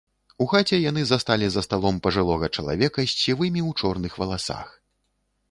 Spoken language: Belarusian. У хаце яны засталі за сталом пажылога чалавека з сівымі ў чорных валасах.